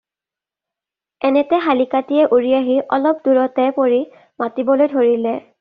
এনেতে শালিকাটিয়ে উৰি আহি অলপ দূৰতে পৰি মাতিবলৈ ধৰিলে।